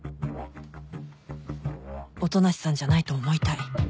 音無さんじゃないと思いたい